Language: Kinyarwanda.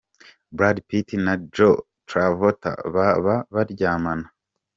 Brad Pitt na Joh Travolta baba baryamana.